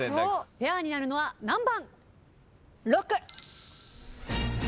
ペアになるのは何番？